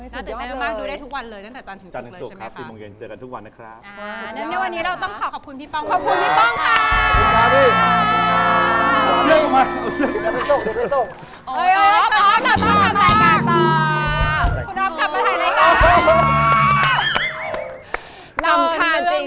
สุดยอดเลยน่าตื่นเต็มมากดูได้ทุกวันเลย